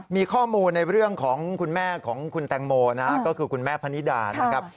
มีข้อมูลในเรื่องของคุณแม่ของคุณแตงโมนะก็คือคุณแม่พนิดานะครับ